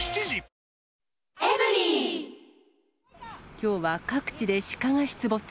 きょうは各地で鹿が出没。